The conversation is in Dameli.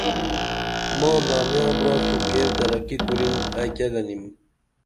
ماں دامیاں براسو کیر ترقی کُرِن ائی کیہ گنِم